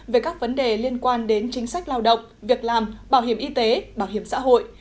về các vấn đề liên quan đến chính sách lao động việc làm bảo hiểm y tế bảo hiểm xã hội